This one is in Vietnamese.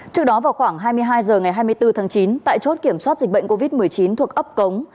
trước đó vào khoảng hai mươi hai h ngày hai mươi bốn tháng chín tại chốt kiểm soát dịch bệnh covid một mươi chín thuộc ấp cống